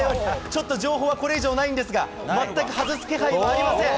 ちょっと情報はこれ以上ないんですが、全く外す気配はありません。